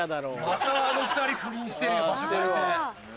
またあの２人不倫してるよ場所変えて。